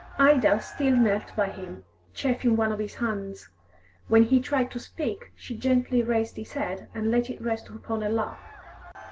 Ida still knelt by him, chafing one of his hands; when he tried to speak, she gently raised his head and let it rest upon her lap.